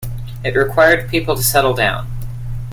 It required people to settle down.